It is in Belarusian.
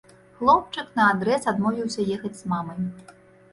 Хлопчык наадрэз адмовіўся ехаць з мамай.